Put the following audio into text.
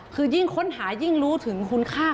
คือยิ่งค้นหายิ่งรู้ถึงคุณค่า